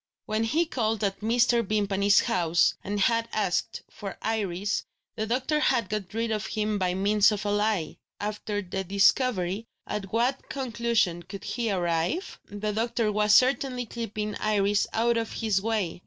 When he had called at Mr. Vimpany's house, and had asked for Iris, the doctor had got rid of him by means of a lie. After this discovery, at what conclusion could he arrive? The doctor was certainly keeping Iris out of his way.